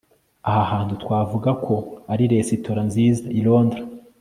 aha hantu twavuga ko ari resitora nziza i londres